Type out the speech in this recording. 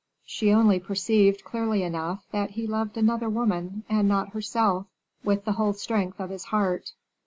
She only perceived, clearly enough, that he loved another woman, and not herself, with the whole strength of his heart.